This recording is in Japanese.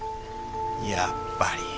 やっぱり。